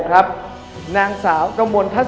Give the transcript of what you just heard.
๓๓๐ครับนางสาวปริชาธิบุญยืน